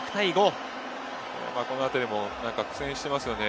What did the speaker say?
このあたりも苦戦していますよね。